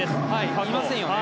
いませんよね。